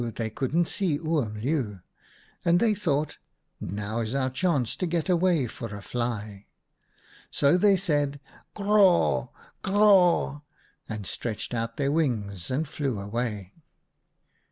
they couldn't see Oom Leeuw, and they thought :' Now is our chance to get away for a fly/ " So they said ' Cr r raw, cr r raw !' and stretched out their wings and flew away.